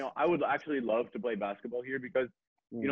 aku pasti aku akan suka main basketball disini karena